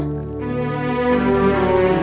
punya istri pinter